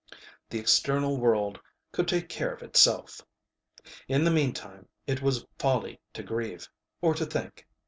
The external world could take care of itself. In the meantime it was folly to grieve, or to think.